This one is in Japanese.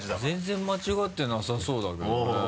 全然間違ってなさそうだけどね。